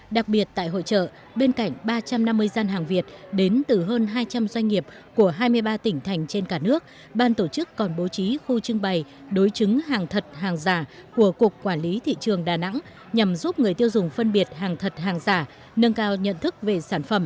đặc biệt tại hội trợ bên cạnh ba trăm năm mươi dân hàng việt đến từ hơn hai trăm linh doanh nghiệp của hai mươi ba tỉnh thành trên cả nước ban tổ chức còn bố trí khu trưng bày đối chứng hàng thật hàng giả của cục quản lý thị trường đà nẵng nhằm giúp người tiêu dùng phân biệt hàng thật hàng giả